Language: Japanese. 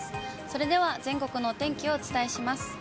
それでは全国のお天気をお伝えします。